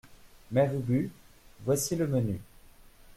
Mère Ubu Voici le menu.